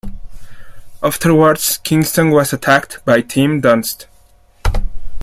Afterwards, Kingston was attacked by Tim Donst.